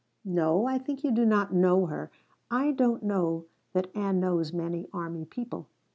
No, I think you do not know her. I don't know that Ann knows many army people.